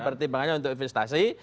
pertimbangannya untuk investasi